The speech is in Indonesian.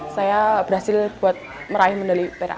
saya berhasil buat meraih medali perak